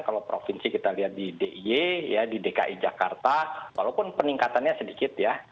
kalau provinsi kita lihat di diy di dki jakarta walaupun peningkatannya sedikit ya